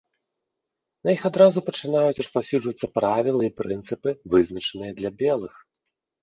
На іх адразу пачынаюць распаўсюджвацца правілы і прынцыпы, вызначаныя для белых.